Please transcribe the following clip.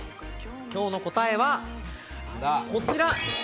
今日の答えはこちら。